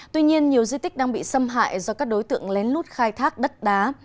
tuy nhiên nhiều di tích đang bị xâm hại do các đối tượng lén lút khai thác đất đá